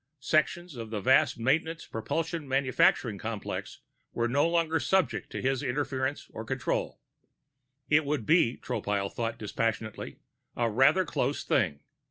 Sections of the vast maintenance propulsion manufacturing complex were no longer subject to his interference or control. It would be, Tropile thought dispassionately, a rather close thing.